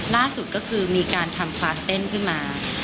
ล่าสุดก็คือมีการทำคลาสเต้นขึ้นมา